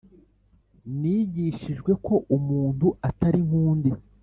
nigishijwe ko umuntu atari nk'undi